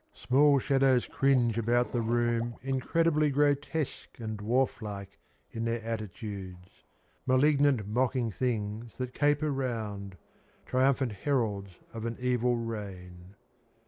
Black Mass. Small shadows cringe about the room incredibly Grostesque and dwarf like in their attitudes — Malignant mocking things that caper round — Triumphant heralds of an evil reign.